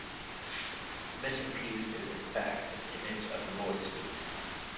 The missing piece is, in fact, an image of the boy's feet.